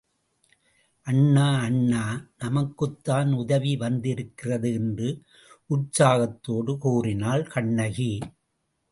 அண்ணா, அண்ணா, நமக்குத்தான் உதவி வந்திருக்கிறது என்று உற்சாகத்தோடு கூறினாள் கண்ணகி.